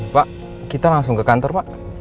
pak kita langsung ke kantor pak